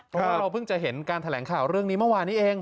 เพราะเราเพิ่งจะเห็นการแถลงข่าวเรื่องนี้เมื่อวานนี้เอง